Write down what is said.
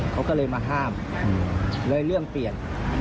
เขาก็เลยมาห้ามเลยเรื่องเปลี่ยน